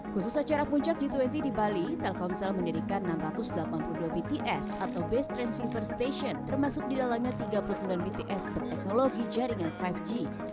khusus acara puncak g dua puluh di bali telkomsel mendirikan enam ratus delapan puluh dua bts atau base transceiver station termasuk di dalamnya tiga puluh sembilan bts berteknologi jaringan lima g